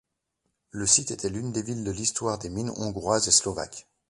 Le site était l'une des villes de l'Histoire des mines hongroises et slovaques.